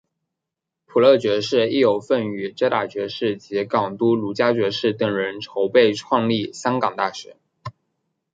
普乐爵士亦有份与遮打爵士及港督卢嘉爵士等人筹备创立香港大学。